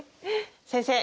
先生！